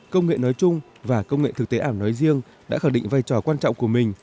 công nghệ nói chung và công nghệ thực tế ảo nói riêng đã khẳng định vai trò quan trọng của mình